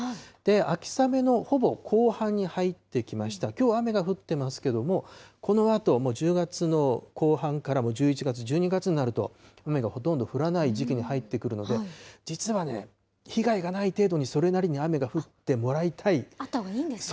秋雨のほぼ後半に入ってきました、きょう雨が降ってますけど、このあと、もう１０月の後半から、１１月、１２月になると、雨がほとんど降らない時期に入ってくるので、実はね、被害がない程度にそあったほうがいいんですね。